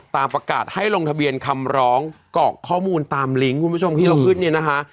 ประกาศให้ลงทะเบียนคำร้องเกาะข้อมูลตามลิงก์คุณผู้ชมที่เราขึ้นเนี่ยนะคะ